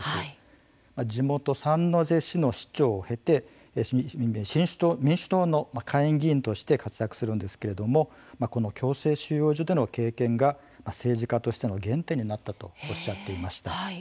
地元サンノゼ市の市長を経て民主党の下院議員として活躍するんですけれどもこの強制収容所での経験が政治家としての原点になったとおっしゃっていました。